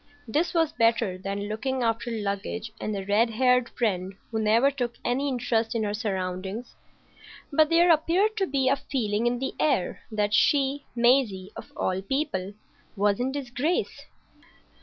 This was better than looking after luggage and a red haired friend who never took any interest in her surroundings. But there appeared to be a feeling in the air that she, Maisie,—of all people,—was in disgrace.